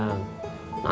nanti kalau dikembangin